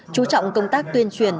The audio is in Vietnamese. chú trọng công tác tuyên truyền